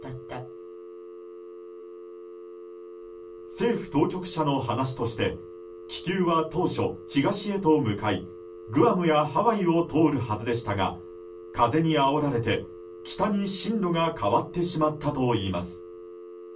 政府当局者の話として気球は当初東へと向かい、グアムやハワイを通るはずでしたが風にあおられて、北に進路が変わってしまったといいます。